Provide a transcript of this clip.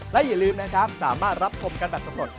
และอย่าลืมนะครับสามารถรับชมกันแบบสำรวจ